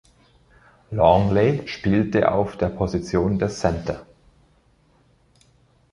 Longley spielte auf der Position des Center.